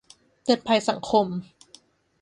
เตือนภัยสังคม